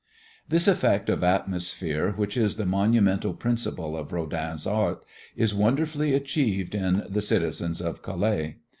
This effect of atmosphere, which is the monumental principle of Rodin's art, is wonderfully achieved in "The Citizens of Calais."